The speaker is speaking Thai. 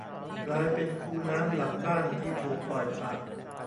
กลายเป็นคูน้ำหลังบ้านที่ถูกปล่อยปะ